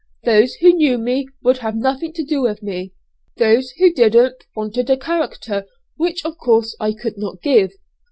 Those who knew me would have nothing to do with me; those who didn't wanted a character, which of course I could not give.